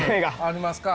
ありますか。